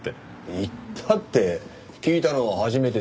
「言った」って聞いたのは初めてでしょ。